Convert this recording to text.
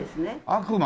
悪魔。